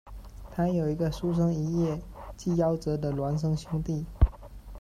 他有一个出生一月即夭折的挛生兄弟。